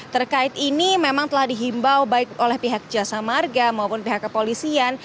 terkait ini memang telah dihimbau baik oleh pihak jasa marga maupun pihak kepolisian